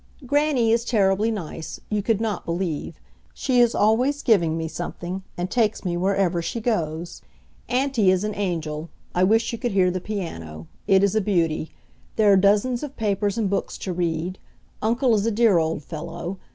Grannie is terribly nice. You could not believe. She is always giving me something, and takes me wherever she goes. Auntie is an angel. I wish you could hear the piano. It is a beauty. There are dozens of papers and books to read. Uncle is a dear old fellow.